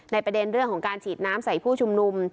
ประเด็นเรื่องของการฉีดน้ำใส่ผู้ชุมนุม